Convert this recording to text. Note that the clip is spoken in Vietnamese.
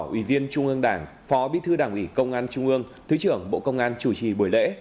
ủy viên trung ương đảng phó bí thư đảng ủy công an trung ương thứ trưởng bộ công an chủ trì buổi lễ